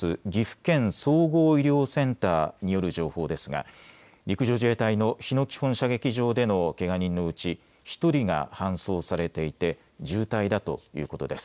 岐阜県総合医療センターによる情報ですが陸上自衛隊の日野基本射撃場でのけが人のうち１人が搬送されていて重体だということです。